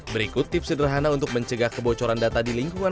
berikut tips sederhana untuk mencegah kebocoran data di lingkungan